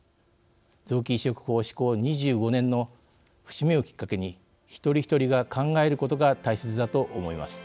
臓器移植法施行２５年の節目をきっかけに一人一人が考えることが大切だと思います。